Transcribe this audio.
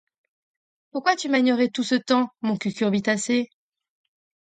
Pourquoi tu m'as ignor'e tout ce temps mon cucurbitac'ee.